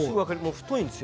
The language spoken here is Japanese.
太いんですよ。